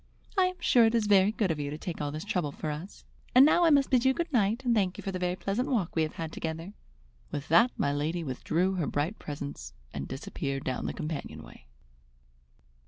"I am sure it is very good of you to take all this trouble for us. And now I must bid you good night and thank you for the very pleasant walk we have had together." With that my lady withdrew her bright presence and disappeared down the companion way.